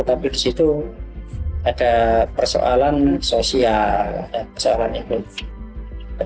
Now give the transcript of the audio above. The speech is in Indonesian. tapi di situ ada persoalan sosial persoalan ekonomi